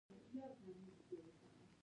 د هرات ښار تاریخي ارزښت لري.